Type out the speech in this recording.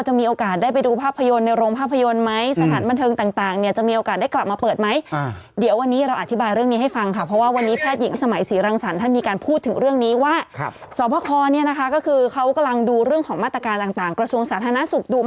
เห็นร้านอาหารน่ะเพราะว่าถ้าสมมุติร้านอาหารปิด